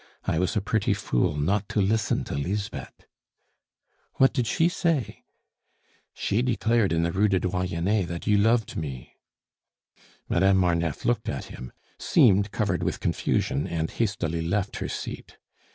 "I was a pretty fool not to listen to Lisbeth " "What did she say?" "She declared, in the Rue du Doyenne, that you loved me!" Madame Marneffe looked at him, seemed covered with confusion, and hastily left her seat.